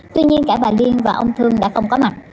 tuy nhiên cả bà liên và ông thương đã không có mặt